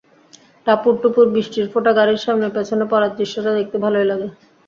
টাপুরটুপুর বৃষ্টির ফোঁটা গাড়ির সামনে পেছনে পড়ার দৃশ্যটা দেখতে ভালোই লাগে।